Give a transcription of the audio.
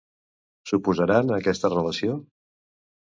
S'oposaran a aquesta relació?